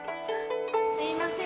すいません。